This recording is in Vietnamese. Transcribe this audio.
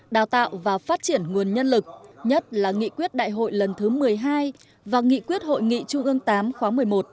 đào tạo và phát triển nguồn nhân lực nhất là nghị quyết đại hội lần thứ một mươi hai và nghị quyết hội nghị trung ương tám khóa một mươi một